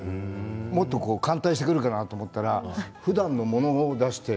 もっと歓待してくるかなと思ったらふだんのものを出して。